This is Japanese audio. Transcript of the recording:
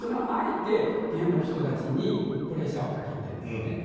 あえて現場の人たちにプレッシャーをかけてるんですね。